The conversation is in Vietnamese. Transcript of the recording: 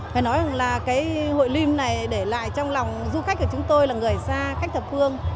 phải nói rằng là cái hội lim này để lại trong lòng du khách của chúng tôi là người xa khách thập phương